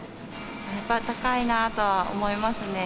高いなとは思いますね。